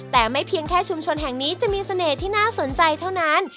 แต่ไม่เพียงแค่ชุมชนแห่งนี้จะมีเสน่ห์ที่น่าสนใจเท่านั้น